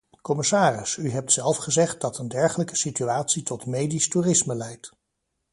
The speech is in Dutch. Commissaris, u hebt zelf gezegd dat een dergelijke situatie tot medisch toerisme leidt.